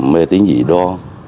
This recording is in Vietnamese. mê tín dị đô